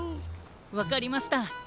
わかりました。